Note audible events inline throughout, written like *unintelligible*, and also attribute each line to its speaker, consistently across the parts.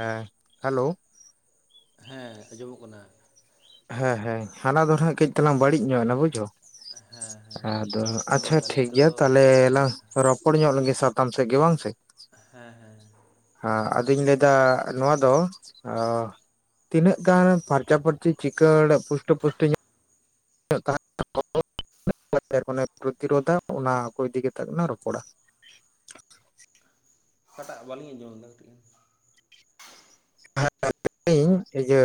Speaker 1: ᱦᱮᱸ ᱦᱮᱞᱳ
Speaker 2: ᱦᱮᱸ ᱟᱸᱡᱚᱢᱚᱜ ᱠᱟᱱᱟ
Speaker 1: ᱦᱮᱸ ᱦᱮᱸ ᱦᱟᱱᱟ ᱫᱚ ᱱᱟᱸᱜ ᱠᱟᱹᱡ ᱛᱟᱞᱟᱝ ᱵᱟᱹᱲᱤᱡ ᱧᱚᱜ ᱵᱩᱡᱷᱟᱹᱣ
Speaker 2: ᱦᱮᱸ ᱦᱮᱸ
Speaker 1: *unintelligible* ᱟᱫᱚ
Speaker 2: ᱢᱟ
Speaker 1: ᱟᱪᱪᱷᱟ
Speaker 2: ᱛᱟᱦᱚᱞᱮ ᱱᱤᱛᱚᱜ
Speaker 1: ᱴᱷᱤᱠᱜᱮᱭᱟ
Speaker 2: ᱫᱚ
Speaker 1: ᱛᱟᱦᱞᱮ
Speaker 2: ᱦᱮᱸ
Speaker 1: ᱞᱝ ᱨᱚ *unintelligible* ᱦᱚᱲ ᱧᱚᱜ ᱞᱮᱱᱜᱮ ᱥᱟᱛᱟᱢ ᱥᱮᱫ ᱜᱮ ᱵᱟᱝ ᱥᱮ
Speaker 2: ᱦᱮᱸ ᱦᱮᱸ
Speaker 1: ᱦᱮᱻ ᱟᱫᱚᱧ ᱞᱟᱹᱭᱫᱟ ᱱᱚᱣᱟ ᱫᱚ ᱛᱤᱱᱟᱹᱜ ᱜᱟᱱ ᱯᱷᱟᱨᱪᱟ ᱯᱷᱟᱹᱨᱪᱤ ᱪᱤᱠᱟᱹᱲ ᱯᱩᱥᱴᱟᱹᱯᱩᱥᱴᱟᱹ ᱧᱚᱜ *unintelligible* *unintelligible* ᱯᱨᱚᱛᱤᱨᱳᱫᱷᱟ ᱚᱱᱟ ᱠᱚ ᱤᱫᱤ ᱠᱟᱛᱮ ᱠᱮᱞᱟᱝ ᱨᱚᱯᱚᱲᱟ
Speaker 2: ᱚᱠᱟᱴᱟᱜ ᱵᱟᱹᱞᱤᱧ ᱟᱸᱡᱚᱢ ᱞᱮᱫᱟ ᱠᱟᱹᱴᱤᱡ ᱜᱟᱱ
Speaker 1: *unintelligible* ᱤᱧ ᱤᱭᱟᱹ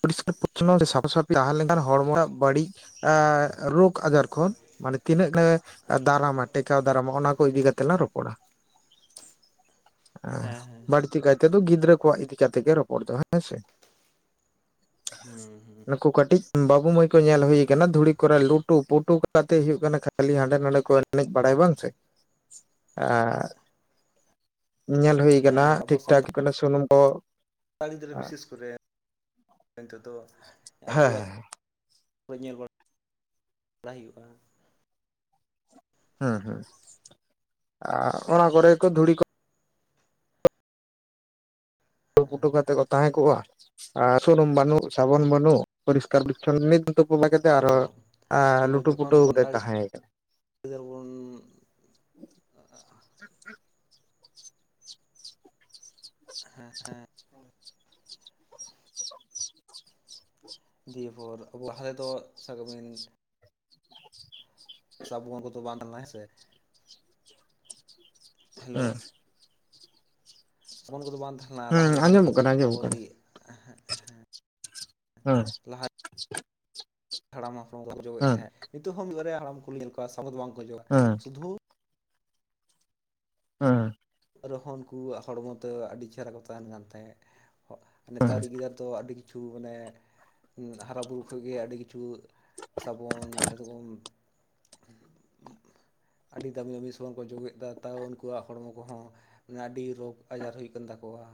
Speaker 1: ᱯᱚᱨᱤᱥᱠᱟᱨ ᱯᱚᱨᱪᱷᱚᱱᱚ *unintelligible* ᱥᱮ ᱥᱟᱯᱷᱟ ᱥᱟᱯᱷᱤ ᱛᱟᱦᱮᱸ ᱞᱮᱱᱠᱷᱟᱱ ᱦᱚᱲᱢᱚ ᱨᱮᱱᱟᱜ ᱵᱟᱹᱲᱤᱡ ᱨᱳᱜᱽ ᱟᱡᱟᱨ ᱠᱷᱚᱱ ᱢᱟᱱᱮ ᱛᱤᱱᱟᱹᱜ ᱫᱟᱨᱟᱢᱟ ᱴᱮᱠᱟᱣ ᱫᱟᱨᱟᱢᱟ ᱚᱱᱟ ᱠᱚ ᱤᱫᱤ ᱠᱟᱛᱮᱜ ᱞᱟᱝ ᱨᱚᱯᱚᱲᱟ
Speaker 2: ᱦᱮᱸ ᱦᱮᱸ ᱦᱮᱸ
Speaker 1: ᱵᱟᱹᱲᱛᱤ ᱠᱟᱭᱛᱮᱫᱚ ᱜᱤᱫᱽᱨᱟᱹ ᱠᱚᱣᱟᱜ ᱤᱫᱤ *unintelligible* ᱨᱚᱯᱚᱲ ᱫᱚ ᱦᱮᱸ ᱥᱮ
Speaker 2: ᱦᱮᱸ
Speaker 1: ᱱᱩᱠᱩ ᱠᱟᱹᱴᱤᱡ ᱵᱟᱹᱵᱩ ᱢᱟᱹᱭ ᱠᱚ ᱧᱮᱞ ᱦᱩᱭ ᱟᱠᱟᱱᱟ ᱫᱷᱩᱲᱤ ᱠᱚᱨᱮ ᱞᱩᱴᱩ ᱯᱩᱴᱩ ᱠᱟᱛᱮ ᱦᱩᱭᱩᱜ ᱠᱟᱱᱟ ᱠᱷᱟᱹᱞᱤ ᱦᱟᱸᱰᱮ ᱱᱟᱰᱮ ᱠᱚ ᱮᱱᱮᱡ ᱵᱟᱲᱟᱭᱟ ᱵᱟᱝ ᱥᱮ ᱟᱨ ᱧᱮᱞ ᱦᱩᱭ ᱟᱠᱟᱱᱟ
Speaker 2: ᱦᱮᱸ
Speaker 1: ᱴᱷᱤᱠ ᱴᱷᱟᱠ ᱥᱩᱱᱩᱢ ᱠᱚ
Speaker 2: ᱠᱟᱲᱟ ᱜᱤᱫᱽᱨᱟᱹ
Speaker 1: ᱦᱮᱸ
Speaker 2: ᱵᱤᱥᱮᱥ ᱠᱚᱨᱮ ᱱᱤᱛᱚᱜ ᱫᱚ ᱟᱛᱳ ᱚᱲᱟᱜ ᱧᱮᱞ ᱵᱟᱲᱟ ᱵᱟᱲᱟᱭ ᱦᱩᱭᱩᱜᱼᱟ
Speaker 1: ᱦᱩᱸ ᱦᱩᱸ ᱚᱱᱟ ᱠᱚᱨᱮ ᱠᱚ ᱫᱷᱩᱲᱤ ᱠᱚ ᱞᱩᱴᱩ ᱯᱩᱴᱩ
Speaker 2: ᱦᱮᱸ
Speaker 1: ᱠᱟᱛᱮᱫ ᱠᱚ ᱛᱟᱦᱮᱸ ᱠᱚᱜᱼᱟ ᱟᱨ ᱥᱩᱱᱩᱢ ᱵᱟᱹᱱᱩᱜ ᱥᱟᱵᱚᱱ ᱵᱟᱹᱱᱩᱜ ᱯᱚᱨᱤᱥᱠᱟᱨ ᱯᱚᱨᱤᱪᱷᱚᱱᱱᱚ ᱱᱤᱛ ᱛᱩᱯᱩ ᱠᱟᱛᱮᱜ
Speaker 2: ᱛᱚ
Speaker 1: ᱟᱨᱚ
Speaker 2: ᱟᱵᱚ
Speaker 1: ᱞᱩᱴᱩ
Speaker 2: ᱡᱚᱠᱷᱚᱱ
Speaker 1: ᱯᱩᱴᱟᱹᱣ ᱠᱟᱛᱮ
Speaker 2: ᱥᱟᱱᱛᱟᱲ
Speaker 1: ᱛᱟᱦᱮᱸ ᱠᱟᱱᱟ
Speaker 2: *unintelligible* ᱦᱮᱸ ᱦᱮᱸ ᱫᱤᱭᱮᱯᱚᱨ ᱟᱵᱚ *unintelligible* ᱥᱟᱵ ᱠᱟᱵᱮᱱ ᱥᱟᱵᱚᱱ ᱠᱚᱛᱚ ᱵᱟᱝ ᱛᱟᱦᱮ ᱞᱮᱱᱟ ᱦᱮ ᱥᱮ ᱦᱮᱞᱳ
Speaker 1: ᱦᱩᱸ
Speaker 2: ᱥᱟᱵᱚᱱ ᱠᱚᱫᱚ ᱵᱟᱝ ᱞᱟᱦᱟ
Speaker 1: ᱦᱩᱸ
Speaker 2: ᱛᱮᱫᱚᱢ
Speaker 1: ᱟᱸᱡᱚᱢᱚᱜ ᱠᱟᱱᱟ
Speaker 2: ᱟᱵᱚ
Speaker 1: ᱟᱸᱡᱚᱢᱚᱜ ᱠᱟᱱᱟ
Speaker 2: ᱨᱤ ᱮᱻᱦᱮᱻᱜ *unintelligible*
Speaker 1: ᱦᱮᱸ *unintelligible*
Speaker 2: ᱦᱟᱲᱟᱢ ᱦᱟᱯᱲᱟᱢ ᱠᱚᱠᱚ ᱡᱚᱢᱮᱫ ᱛᱟᱦᱮᱸᱜ ᱱᱤᱛᱚᱜ ᱦᱚᱸ ᱢᱤᱫ ᱵᱟᱨ ᱦᱟᱲᱟᱢ ᱠᱚ ᱧᱮᱞ ᱠᱚᱣᱟ ᱫᱚ ᱵᱟᱝᱠᱚ ᱚᱡᱚᱜᱼᱟ
Speaker 1: ᱦᱩᱸ
Speaker 2: ᱥᱩᱫᱷᱩ
Speaker 1: ᱦᱮᱸ
Speaker 2: ᱨᱚᱦᱚᱱ ᱠᱚᱣᱟᱜ ᱦᱚᱲᱢᱚ ᱛᱮ ᱟᱹᱰᱤ ᱪᱮᱦᱨᱟ ᱠᱚ ᱛᱟᱦᱮᱱ ᱠᱟᱱ ᱛᱟᱦᱮᱸᱫ ᱱᱮᱛᱟᱨ ᱜᱤᱫᱟᱹᱨ ᱛᱚ ᱟᱹᱰᱤ ᱠᱤᱪᱷᱩ ᱢᱟᱱᱮ ᱦᱟᱨᱟᱵᱩᱨᱩ ᱠᱷᱚᱱ ᱜᱮ ᱟᱹᱰᱤ ᱠᱤᱪᱷᱩ ᱥᱟᱵᱚᱱ ᱮᱫᱚᱢ ᱟᱹᱰᱤ ᱫᱟᱹᱢᱤ ᱫᱟᱹᱢᱤ ᱥᱟᱵᱚᱱ ᱠᱚ ᱚᱡᱚᱜᱮᱜᱼᱟ ᱛᱟᱣ ᱩᱱᱠᱩᱣᱟᱜ ᱦᱚᱲᱢᱚ ᱠᱚᱦᱚᱸ ᱟᱹᱰᱤ ᱨᱳᱜᱽ ᱟᱡᱟᱨ ᱦᱩᱭᱩᱜ ᱠᱟᱱ ᱛᱟᱠᱚᱣᱟ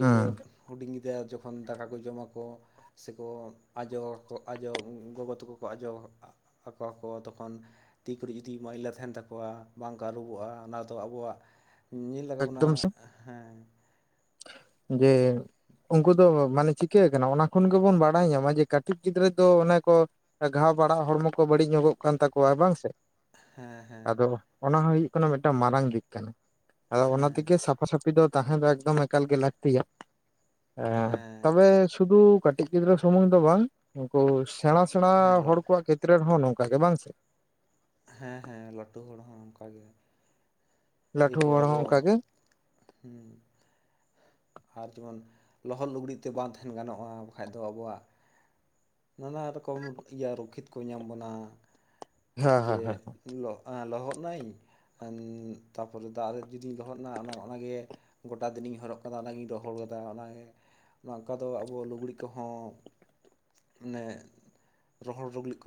Speaker 1: ᱦᱩᱸ
Speaker 2: ᱦᱩᱰᱤᱧ ᱜᱤᱫᱽᱨᱟᱹ ᱡᱚᱠᱷᱚᱱ ᱫᱟᱠᱟ ᱠᱚ ᱡᱚᱢᱟᱠᱚ ᱥᱮᱠᱚ ᱟᱡᱚ ᱟᱠᱚ ᱟᱡᱚ ᱜᱚᱜᱚ ᱛᱟᱠᱚ ᱠᱚ ᱟᱡᱚ ᱟᱠᱚᱣᱟ ᱠᱚ ᱛᱚᱠᱷᱚᱱ ᱛᱤ ᱠᱚ ᱡᱩᱫᱤ ᱢᱟᱹᱭᱞᱟᱹ ᱛᱟᱦᱮᱱ ᱛᱟᱠᱚᱣᱟ ᱵᱟᱝᱠᱚ ᱟᱹᱨᱩᱵᱚᱜᱼᱟ ᱚᱱᱟ ᱫᱚ ᱛᱚ ᱟᱵᱚᱣᱟᱜ ᱧᱮᱞ ᱞᱟᱜᱟᱣ ᱵᱚᱱᱟ
Speaker 1: ᱮᱠᱫᱚᱢ ᱥᱮ
Speaker 2: ᱦᱮᱸ
Speaker 1: ᱡᱮ ᱩᱱᱠᱩ ᱫᱚ ᱢᱟᱱᱮ ᱪᱤᱠᱟᱹ ᱠᱟᱱᱟ ᱚᱱᱟ ᱠᱷᱚᱱ ᱜᱮᱵᱚᱱ ᱵᱟᱲᱟᱭ ᱧᱟᱢᱟ ᱡᱮ ᱠᱟᱹᱴᱤᱡ ᱜᱤᱫᱽᱨᱟᱹ ᱫᱚ ᱚᱱᱮ ᱠᱚ ᱟᱴᱜᱷᱟᱣ ᱵᱟᱲᱟᱜ ᱦᱚᱲᱢᱚ ᱠᱚ ᱵᱟᱹᱲᱤᱡ ᱧᱚᱜᱚᱜ ᱠᱟᱱ ᱛᱟᱠᱚᱣᱟ ᱵᱟᱝ ᱥᱮ
Speaker 2: ᱦᱮᱸ ᱦᱮᱸ
Speaker 1: ᱟᱫᱚ ᱚᱱᱟ ᱦᱳᱭᱳᱜ ᱠᱟᱱᱟ ᱢᱤᱫᱴᱟᱝ ᱢᱟᱨᱟᱝ ᱫᱤᱠ ᱠᱟᱱᱟ ᱟᱫᱚ ᱚᱱᱟ
Speaker 2: ᱦᱮᱸ
Speaker 1: ᱛᱮᱜᱮ ᱥᱟᱯᱷᱟ ᱥᱟᱯᱷᱤ ᱫᱚ ᱛᱟᱦᱮᱸ ᱫᱚ ᱮᱠᱫᱚᱢ ᱮᱠᱟᱞ ᱜᱮ ᱞᱟᱹᱠᱛᱤᱭᱟ ᱮ
Speaker 2: ᱦᱮᱸ
Speaker 1: ᱛᱚᱵᱮ ᱥᱩᱫᱷᱩ ᱠᱟᱹᱴᱤᱡ ᱜᱤᱫᱽᱨᱟᱹ ᱥᱩᱢᱩᱝ ᱫᱚ ᱵᱟᱝ ᱩᱱᱠᱩ ᱥᱮᱬᱟ ᱥᱮᱬᱟ
Speaker 2: ᱦᱮᱸ ᱞᱟ
Speaker 1: ᱦᱚᱲ ᱠᱚᱣᱟᱜ ᱠᱷᱮᱛᱨᱮ ᱨᱮᱦᱚᱸ ᱱᱚᱝᱠᱟ ᱜᱮ ᱵᱟᱝ ᱥᱮ
Speaker 2: ᱦᱮᱸ ᱦᱮᱸ ᱞᱟᱹᱴᱩ ᱦᱚᱲ ᱦᱚᱸ ᱚᱱᱠᱟ ᱜᱮ
Speaker 1: ᱞᱟᱹᱴᱷᱩ
Speaker 2: ᱱᱤᱯᱚᱨ
Speaker 1: ᱦᱚᱲ ᱦᱚᱸ
Speaker 2: ᱟᱵᱚ
Speaker 1: ᱚᱱᱠᱟ ᱜᱮ
Speaker 2: ᱦᱮᱸ ᱟᱨ ᱡᱮᱢᱚᱱ ᱞᱚᱦᱚᱫ ᱞᱩᱜᱽᱲᱤᱡᱛᱮ ᱵᱟᱝ ᱛᱟᱦᱮᱱ ᱜᱟᱱᱚᱜᱼᱟ ᱵᱟᱠᱷᱟᱡ ᱫᱚ ᱟᱵᱚᱣᱟᱜ ᱱᱟᱱᱟ ᱨᱚᱠᱚᱢ ᱤᱭᱟᱹ ᱨᱚᱠᱠᱷᱤᱛ ᱠᱚ ᱧᱟᱢ ᱵᱚᱱᱟ
Speaker 1: ᱦᱮᱸ ᱦᱮᱸ
Speaker 2: ᱡᱮ
Speaker 1: ᱦᱮᱸ
Speaker 2: ᱞᱚᱦᱚᱫ ᱱᱟᱭ ᱛᱟᱯᱚᱨ ᱫᱟᱜ ᱨᱮ ᱡᱩᱫᱤᱧ ᱞᱚᱦᱚᱫ ᱮᱱᱟ ᱚᱱᱟᱜᱮ ᱜᱳᱴᱟ ᱫᱤᱱᱤᱧ ᱦᱚᱨᱚᱜ ᱠᱟᱫᱟ ᱚᱱᱟᱜᱤᱧ ᱨᱚᱦᱚᱲ ᱠᱟᱫᱟ ᱚᱱᱟᱜᱮ ᱱᱚᱝᱠᱟ ᱫᱚ ᱟᱵᱚ ᱞᱩᱜᱽᱲᱤ ᱠᱚᱦᱚᱸ ᱟᱱᱮ ᱨᱚᱦᱚᱲ ᱞᱩᱜᱽᱲᱤ *inaudible*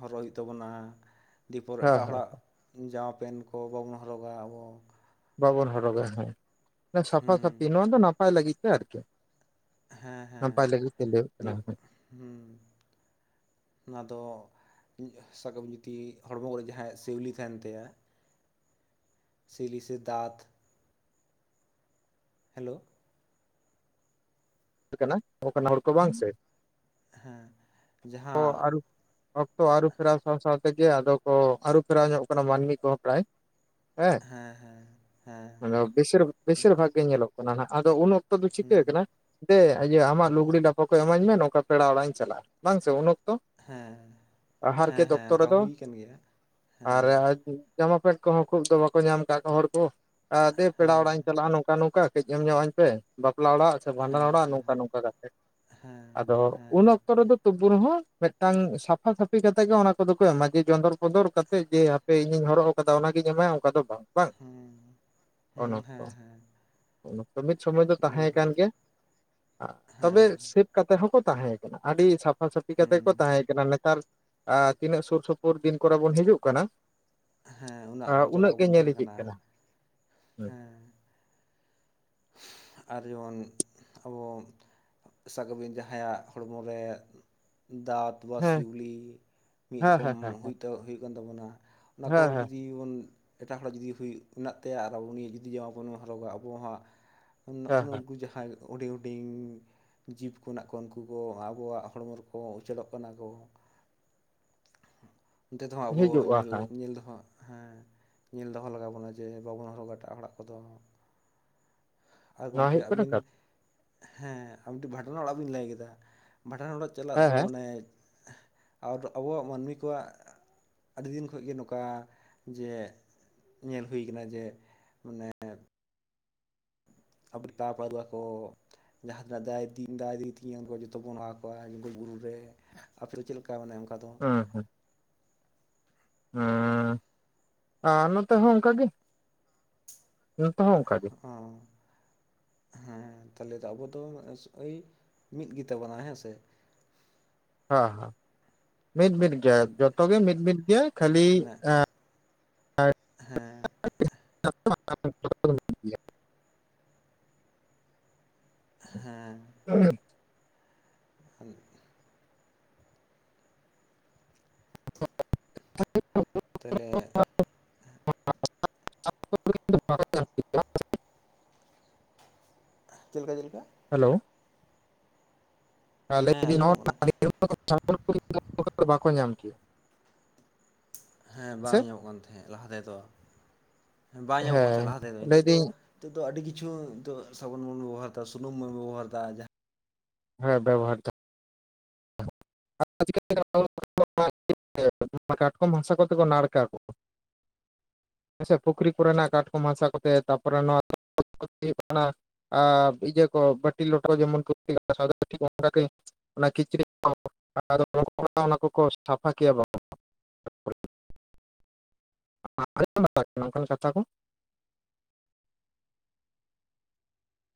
Speaker 2: ᱦᱚᱨᱚᱜ ᱦᱩᱭᱩᱜ ᱛᱟᱵᱚᱱᱟ ᱫᱮᱯᱚᱨ
Speaker 1: ᱦᱮᱸ
Speaker 2: ᱮᱴᱟᱜ
Speaker 1: ᱦᱮᱸ
Speaker 2: ᱦᱚᱲᱟᱜ ᱡᱟᱢᱟ ᱯᱮᱱᱴ ᱠᱚ ᱵᱟᱵᱚᱱ ᱦᱚᱨᱚᱜᱟ ᱟᱵᱚ
Speaker 1: ᱵᱟᱵᱚᱱ ᱦᱚᱨᱚᱜᱟ ᱦᱮᱸ ᱥᱟᱯᱷᱟ ᱥᱟᱹᱯᱷᱤ ᱱᱚᱣᱟ ᱫᱚ ᱱᱟᱯᱟᱭ ᱞᱟᱹᱜᱤᱫ ᱛᱮ ᱟᱨᱠᱤ
Speaker 2: ᱦᱮᱸ ᱦᱮᱸ
Speaker 1: ᱱᱟᱯᱟᱭ ᱞᱟᱹᱜᱤᱫ ᱛᱮ ᱞᱟᱭ ᱦᱩᱭᱩᱜ ᱠᱟᱱᱟ
Speaker 2: ᱫᱤᱭᱮ ᱦᱮᱸ ᱚᱱᱟ ᱫᱚ ᱥᱟᱠᱟᱢ ᱡᱩᱫᱤ ᱦᱚᱲᱢᱚ ᱠᱚᱨᱮ ᱡᱟᱦᱟᱸᱭᱟᱜ ᱥᱤᱣᱞᱤ ᱛᱟᱦᱮᱱ ᱛᱟᱭᱟ ᱥᱤᱞᱤ ᱥᱮ ᱫᱟᱸᱛ ᱦᱮᱞᱳ
Speaker 1: ᱠᱟᱱᱟ ᱟᱱᱟᱜ *unintelligible* ᱦᱚᱲ ᱠᱚ ᱵᱟᱝ ᱥᱮ
Speaker 2: ᱦᱮᱸ
Speaker 1: ᱠᱚ
Speaker 2: ᱡᱟᱦᱟᱸ
Speaker 1: ᱟᱹᱨᱩ ᱚᱠᱛᱚ ᱟᱹᱨᱩᱯᱷᱮᱨᱟᱣ ᱥᱟᱶ ᱥᱟᱶᱛᱮᱜᱮ ᱟᱫᱚ ᱠᱚ ᱟᱹᱨᱩ ᱯᱷᱮᱨᱟᱣ ᱧᱚᱜ ᱠᱟᱱᱟ ᱢᱟᱹᱱᱢᱤ ᱠᱚᱦᱚᱸ ᱯᱨᱟᱭ ᱦᱮᱸ
Speaker 2: ᱦᱮᱸ ᱦᱮᱸ
Speaker 1: ᱵᱮᱥᱤᱨ ᱵᱮᱥᱤᱨ ᱵᱷᱟᱜᱽ ᱜᱮ ᱧᱮᱞᱚᱜ ᱠᱟᱱᱟ ᱦᱟᱸᱜ ᱟᱫᱚ ᱩᱱᱟᱹᱜ ᱟᱫᱚ ᱪᱤᱠᱟᱹ
Speaker 2: ᱦᱮᱸ
Speaker 1: ᱟᱠᱟᱱᱟ ᱡᱮ ᱤᱭᱟᱹ ᱟᱢᱟᱜ ᱞᱩᱜᱽᱲᱤ ᱞᱟᱯᱷᱟ ᱠᱚ ᱮᱢᱟᱹᱧ ᱢᱮ ᱱᱚᱝᱠᱟ ᱯᱮᱲᱟ ᱚᱲᱟᱜ ᱤᱧ ᱪᱟᱞᱟᱜᱼᱟ ᱵᱟᱝ ᱥᱮ
Speaker 2: ᱦᱮᱸ
Speaker 1: *inaudible*
Speaker 2: ᱦᱮᱸ
Speaker 1: ᱟᱦᱟᱨᱠᱮᱛ
Speaker 2: ᱦᱮᱸ
Speaker 1: ᱫᱚᱯᱛᱚᱨ
Speaker 2: ᱚᱱᱠᱟ
Speaker 1: ᱨᱮᱫᱚ
Speaker 2: ᱦᱩᱭ ᱟᱠᱟᱱ ᱜᱮᱭᱟ
Speaker 1: ᱟᱨ
Speaker 2: ᱦᱮᱸ
Speaker 1: ᱡᱟᱢᱟ ᱯᱮᱱᱴ ᱠᱚᱦᱚᱸ ᱠᱷᱩᱵ ᱫᱚ ᱵᱟᱠᱚ ᱧᱟᱢ ᱟᱠᱟᱫ ᱦᱚᱲ ᱠᱚ ᱫᱮ ᱯᱮᱲᱟ
Speaker 2: ᱦᱮᱸ
Speaker 1: ᱚᱲᱟᱜ ᱤᱧ ᱪᱟᱞᱟᱜᱼᱟ ᱱᱚᱝᱠᱟ ᱱᱚᱝᱠᱟ ᱠᱟᱹᱡ ᱮᱢ ᱧᱚᱜ-ᱟᱹᱧ ᱯᱮ ᱵᱟᱯᱞᱟ ᱚᱲᱟᱜ ᱥᱮ ᱵᱷᱟᱸᱰᱟᱱ
Speaker 2: ᱦᱮᱸ
Speaker 1: ᱚᱲᱟᱜ
Speaker 2: ᱦᱮᱸ
Speaker 1: ᱱᱚᱝᱠᱟ ᱱᱚᱝᱠᱟ ᱠᱟ ᱠᱟᱛᱮᱫ
Speaker 2: ᱦᱮᱸ
Speaker 1: ᱟᱫᱚ
Speaker 2: ᱦᱮᱸ
Speaker 1: ᱩᱱ ᱚᱛᱚ ᱨᱮᱫᱚ ᱛᱩᱵᱩ ᱨᱮᱦᱚᱸ ᱢᱤᱫᱴᱟᱝ ᱥᱟᱯᱷᱟ ᱥᱟᱹᱯᱷᱤ ᱠᱟᱛᱮᱜ ᱜᱮ ᱚᱱᱟ ᱠᱚᱫᱚ ᱠᱚ ᱮᱢᱟ ᱡᱮ ᱪᱚᱱᱫᱚᱨ ᱯᱚᱸᱚᱫᱚᱨ ᱠᱟᱛᱮᱜ ᱡᱮ ᱮ ᱤᱧᱤᱧ ᱦᱚᱨᱚᱜ ᱟᱠᱟᱫᱟ ᱚᱱᱟᱜᱤᱧ ᱮᱢᱟᱭ ᱚᱱᱠᱟ ᱫᱚ ᱵᱟᱝ ᱵᱟᱝ
Speaker 2: ᱦᱮᱸ
Speaker 1: ᱩᱱ
Speaker 2: ᱦᱮᱸ
Speaker 1: ᱚᱠᱛᱚ
Speaker 2: ᱦᱮᱸ ᱦᱮᱸ
Speaker 1: ᱢᱤᱫ ᱥᱚᱢᱚᱭ ᱫᱚ ᱛᱟᱦᱮᱸ ᱠᱟᱱ
Speaker 2: ᱫᱤᱭᱮᱯᱚᱨ
Speaker 1: ᱜᱮᱭᱟ ᱛᱚᱵᱮ
Speaker 2: ᱦᱮᱸ
Speaker 1: ᱥᱮ ᱠᱟᱛᱮ ᱦᱚᱸᱠᱚ ᱛᱟᱦᱮᱸ ᱠᱟᱱᱟ ᱟᱹᱰᱤ ᱥᱟᱯᱷᱟ ᱥᱟᱟᱹᱯᱷᱤ ᱠᱟᱛᱮ
Speaker 2: ᱦᱩᱸ
Speaker 1: ᱠᱚ ᱛᱟᱦᱮᱸ ᱠᱟᱱᱟ ᱱᱮᱛᱟᱨ ᱛᱤᱱᱟᱹᱜ ᱥᱩᱨ ᱥᱩᱯᱩᱨ ᱫᱤᱱ ᱠᱚᱨᱮ ᱵᱚᱱ ᱦᱤᱡᱩᱜ ᱠᱟᱱᱟ
Speaker 2: ᱦᱮᱸ ᱚᱱᱟ ᱚᱡᱽᱨᱟ
Speaker 1: ᱩᱱᱟᱹᱜ ᱜᱮ
Speaker 2: ᱵᱚᱱ
Speaker 1: ᱧᱮᱞ
Speaker 2: ᱛᱟᱦᱮᱱ
Speaker 1: ᱤᱫᱤᱜ ᱠᱟᱱᱟ
Speaker 2: ᱦᱮᱸ ᱟᱨ ᱡᱮᱢᱚᱱ ᱟᱵᱚ ᱥᱟᱵ ᱠᱟᱼᱵᱤᱱ ᱡᱟᱦᱟᱸᱭᱟᱜ ᱦᱚᱲᱢᱚ ᱨᱮ ᱫᱟᱜ
Speaker 1: ᱦᱮᱸ
Speaker 2: ᱳᱟᱥᱤᱣᱞᱤ ᱢᱤᱫ
Speaker 1: ᱦᱮᱸ
Speaker 2: ᱨᱚᱠᱚᱢ
Speaker 1: ᱦᱮᱸ ᱦᱮᱸ
Speaker 2: ᱦᱩᱭᱩᱜ ᱠᱟᱱ ᱛᱟᱵᱚᱱᱟ ᱟᱠᱚ
Speaker 1: ᱦᱮᱸ
Speaker 2: ᱡᱩᱫᱤ ᱵᱚᱱ ᱮᱴᱟᱜ ᱦᱚᱲᱟᱜ ᱡᱩᱫᱤ ᱦᱩᱭᱩᱜ ᱢᱮᱱᱟᱜ ᱛᱟᱭᱟ ᱟᱨ ᱟᱵᱚ ᱩᱱᱤ ᱡᱩᱫᱤ ᱡᱟ ᱵᱚᱱ ᱦᱚᱨᱚᱜᱟ ᱟᱵᱚᱣᱟᱜ ᱱᱚᱜᱼᱚ
Speaker 1: ᱦᱮᱸ ᱦᱮᱸ
Speaker 2: ᱱᱩᱠᱩ ᱡᱟᱦᱟᱸᱭ ᱦᱩᱰᱤᱧ ᱦᱩᱰᱤᱧ ᱡᱤᱵᱽ ᱠᱚ ᱦᱱᱟᱜ ᱠᱚ ᱩᱱᱠᱩ ᱠᱚ ᱟᱵᱚᱣᱟᱜ ᱦᱚᱲᱢᱚ ᱨᱮᱠᱚ ᱩᱪᱟᱹᱲᱚᱜ ᱠᱟᱱᱟ ᱠᱚ ᱚᱱᱛᱮ ᱛᱮᱦ ᱟᱵᱚ
Speaker 1: ᱦᱤᱡᱩᱜᱼᱟ
Speaker 2: ᱧᱮᱞ
Speaker 1: ᱦᱮᱸ
Speaker 2: ᱧᱮᱞ ᱫᱚᱦᱚᱸ ᱦᱮᱸ ᱧᱮᱞ ᱫᱚᱦᱚ ᱞᱟᱜᱟᱣ ᱵᱚᱱᱟ ᱡᱮ ᱵᱟᱵᱚᱱ ᱦᱚᱨᱚᱜᱟ ᱮᱴᱟᱜ ᱚᱲᱟᱜ ᱠᱚᱫᱚ ᱟᱨ
Speaker 1: ᱱᱚᱣᱟ
Speaker 2: ᱜᱚᱝᱠᱮ
Speaker 1: ᱦᱩᱭᱩᱜ ᱠᱟᱱᱟ
Speaker 2: ᱟᱵᱤᱱ
Speaker 1: ᱠᱟᱛᱷᱟ
Speaker 2: ᱦᱮᱸ ᱟᱵᱤᱱ ᱴᱮᱱ ᱵᱷᱟᱸᱰᱟᱱ ᱚᱲᱟᱜ ᱵᱤᱱ ᱞᱟᱹᱭ ᱠᱮᱫᱟ ᱵᱷᱟᱸᱰᱟᱱ ᱚᱲᱟᱜ ᱪᱟᱞᱟᱜ ᱫᱚ
Speaker 1: ᱦᱮᱸ
Speaker 2: ᱢᱟᱱᱮ ᱟᱵᱚᱣᱟᱜ ᱢᱟᱹᱱᱢᱤ ᱠᱚᱣᱟᱜ ᱟᱹᱰᱤᱱ ᱠᱷ ᱜᱮ ᱱᱚᱝᱠᱟ ᱡᱮ ᱧᱮᱞ ᱦᱩᱭ ᱟᱠᱟᱱᱟ ᱡᱮ ᱢᱟᱱᱮ ᱟᱵ ᱛᱟᱯᱟᱨᱣᱟ ᱠᱚ *unintelligible* ᱡᱟᱦᱟᱸ ᱛᱤᱱᱟᱜ ᱫᱟᱭ ᱫᱮ *unintelligible* ᱛᱤᱧᱟᱹ ᱩᱱ ᱡᱚᱛᱚ ᱵᱚᱱ ᱦᱚᱦᱚᱣᱟ ᱡᱮ ᱵᱩᱨᱩ ᱨᱮ ᱟᱯᱮ ᱫᱚ ᱪᱮᱫ ᱞᱮᱠᱟ ᱢᱟᱱᱮ ᱚᱱᱠᱟ ᱫᱚ
Speaker 1: ᱦᱩᱸ ᱦᱩᱸ ᱦᱮᱸ ᱟᱨ ᱱᱚᱛᱮ ᱦᱚᱸ ᱚᱱᱠᱟᱜ ᱜᱮ ᱱᱚᱛᱮ ᱦᱚᱸ ᱚᱱᱠᱟ ᱜᱮ
Speaker 2: ᱚ ᱦᱮᱸ ᱛᱟᱦᱚᱞᱮ ᱫᱚ ᱟᱵᱚ ᱫᱚ ᱳᱭ ᱢᱤᱫ ᱜᱮᱛᱟᱵᱚᱱᱟ ᱦᱮᱸ ᱥᱮ
Speaker 1: ᱦᱮᱸ ᱦᱮᱸ ᱢᱤᱫ ᱢᱤᱫ ᱡᱚᱛᱚ ᱜᱮ ᱢᱤᱫ ᱢᱤᱫ ᱜᱮᱭᱟ ᱠᱷᱟᱹᱞᱤ
Speaker 2: ᱚᱱᱮ ᱦᱮᱸ
Speaker 1: *unintelligible* ᱦ *unintelligible* ᱟᱮ *unintelligible*
Speaker 2: ᱦᱮᱸ
Speaker 1: ᱦᱮᱸ *inaudible*
Speaker 2: ᱦ *unintelligible*
Speaker 1: *inaudible*
Speaker 2: ᱛᱟᱭᱞᱮ
Speaker 1: *unintelligible* *inaudible*
Speaker 2: ᱪᱮᱫ ᱞᱮᱠᱟ ᱪᱮᱫ ᱞᱮᱠᱟ
Speaker 1: ᱦᱮᱞᱳ
Speaker 2: ᱦᱮᱸ ᱟᱸᱡᱚᱢᱚᱜ ᱠᱟᱱᱟ
Speaker 1: *unintelligible* ᱵᱟᱠᱚ ᱧᱟᱢ ᱠᱮᱫᱟ
Speaker 2: ᱦᱮᱸ ᱵᱟᱝ ᱧᱟᱢᱚᱜ ᱠᱟᱱ ᱛᱟᱦᱮᱸ ᱞᱟᱦᱟ ᱛᱮᱫᱚ ᱵᱟᱝ ᱧᱟᱢᱚᱜ ᱠᱟᱱ
Speaker 1: ᱦᱮᱸ
Speaker 2: ᱛᱟᱦᱮᱸᱫ ᱞᱟᱦᱟ ᱛᱮᱫᱚ ᱱᱤᱛᱚᱜ ᱫᱚ
Speaker 1: ᱞᱟᱹᱭᱫᱟᱹᱧ
Speaker 2: ᱱᱤᱛᱚᱜ ᱫᱚ ᱟᱹᱰᱤ ᱠᱤᱪᱷᱩ ᱱᱤᱛᱚᱜ ᱥᱟᱵᱚᱱ ᱵᱚᱱ ᱵᱮᱵᱚᱦᱟᱨ ᱮᱫᱟ ᱥᱩᱱᱩᱢ ᱵᱚᱱ ᱵᱮᱵᱚᱦᱟᱨᱮᱫᱟ᱾
Speaker 1: ᱦᱮᱸ ᱵᱮᱵᱚᱦᱟᱨ ᱫᱟ *unintelligible* ᱠᱟᱴᱠᱚᱢ ᱦᱟᱥᱟ ᱠᱚᱛᱮ ᱠᱚ ᱱᱟᱲᱠᱟ ᱠᱚ ᱦᱮᱸ ᱥᱮ ᱯᱩᱠᱷᱨᱤ ᱠᱚᱨᱮᱱᱟᱜ ᱠᱟᱴᱠᱚᱢ ᱦᱟᱥᱟ ᱠᱚᱛᱮ ᱛᱟᱨᱯᱚᱨᱮ *unintelligible* ᱠᱟᱱᱟ ᱟᱨ ᱤᱭᱟᱹ ᱠᱚ ᱵᱟᱹᱴᱤ ᱞᱚᱴᱚ ᱡᱮᱢᱚᱱ ᱠᱚ *unintelligible* ᱚᱱᱠᱟᱜᱮ ᱚᱱᱟ ᱠᱤᱪᱨᱤ *unintelligible* ᱫᱚ ᱚᱱᱟ ᱠᱚᱠᱚ ᱥᱟᱯᱷᱟ ᱠᱮᱭᱟ ᱵᱟᱝ *unintelligible* ᱛ ᱚᱱᱠᱟᱱ ᱠᱟᱛᱷᱟ ᱠᱚ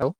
Speaker 1: ᱦᱮᱞᱳ